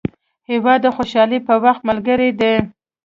هېواد د خوشحالۍ په وخت ملګری دی.